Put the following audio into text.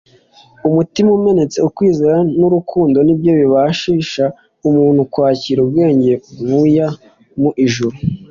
Umutima umenetse, ukwizera n'urukundo ni byo bibashisha umuntu kwakira ubwenge buya mu ijuru.